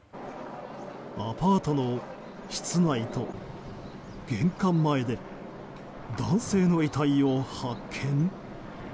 アパートの室内と玄関前で男性の遺体を発見？